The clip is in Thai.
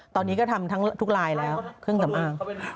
ตอนนี้ก็ทำทั้งทุกลายแล้วเครื่องสำอาง